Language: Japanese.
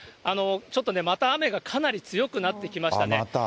ちょっとね、また雨がかなり強くなってきましたね。